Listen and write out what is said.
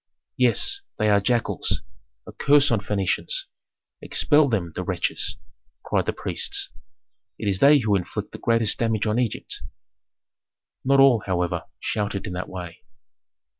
"Yes! They are jackals! A curse on Phœnicians! Expel them, the wretches!" cried the priests. "It is they who inflict the greatest damage on Egypt." Not all, however, shouted in that way.